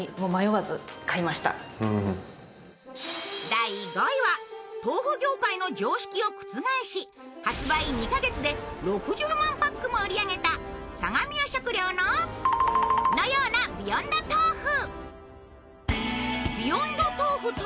第５位は豆腐業界を覆し、発売２カ月で６０万パックも売り上げた相模屋食料の○○のようなビヨンンド豆腐。